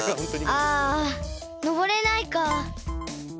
あのぼれないか。